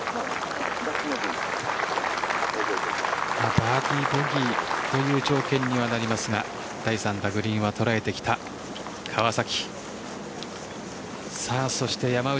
バーディーボギーという状況にはなりますが第３打、グリーンは捉えてきた川崎。